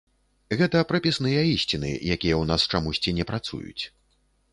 Гэта прапісныя ісціны, якія ў нас чамусьці не працуюць.